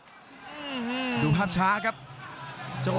กรรมการเตือนทั้งคู่ครับ๖๖กิโลกรัม